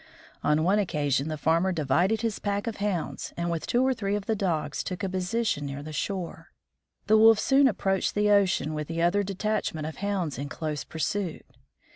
On one occasion the farmer divided his pack of Hounds and with two or three of the Dogs took a position near the shore. The Wolf soon approached the ocean with the other detachment of hounds in close pursuit.